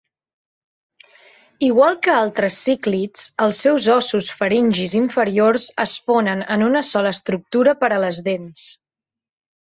Igual que altres cíclids, els seus ossos faringis inferiors es fonen en una sola estructura per a les dents.